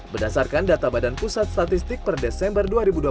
berdasarkan data badan pusat statistik per desember dua ribu dua puluh